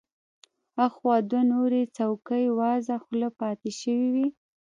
اخوا دوه نورې څوکۍ وازه خوله پاتې شوې وې.